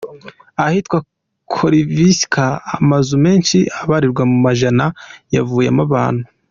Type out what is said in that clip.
Ahitwa Corsica, amazu menshi abarirwa mu majana yavuyemo abantu.